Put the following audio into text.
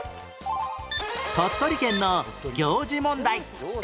鳥取県の行事問題